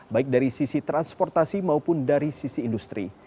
baik dari sisi transportasi maupun dari sisi industri